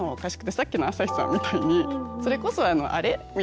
さっきの朝日さんみたいにそれこそあれ？みたいな。